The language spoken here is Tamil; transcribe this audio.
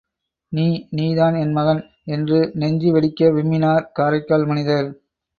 நீ!.... நீதான் என் மகன்!... என்று நெஞ்சு வெடிக்க விம்மினார் காரைக்கால் மனிதர்!